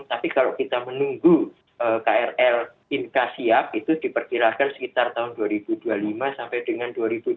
tapi kalau kita menunggu krl inka siap itu diperkirakan sekitar tahun dua ribu dua puluh lima sampai dengan dua ribu dua puluh